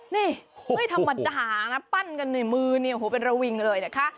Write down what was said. นี่ทำมาด่านะปั้นกันในมือเนี่ยโหเป็นระวิงเลยนะคะ